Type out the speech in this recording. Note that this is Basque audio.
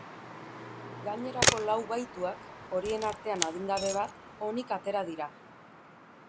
Gainerako lau bahituak, horien artea adingabe bat, onik atera dira.